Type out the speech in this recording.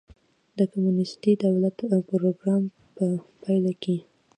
د کمونېستي دولت پروګرام په پایله کې.